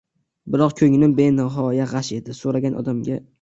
biroq ko‘nglim benihoya g‘ash edi, so‘ragan odamga: